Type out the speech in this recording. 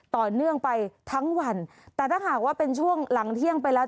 ต่อเนื่องไปทั้งวันแต่ถ้าหากว่าเป็นช่วงหลังเที่ยงไปแล้ว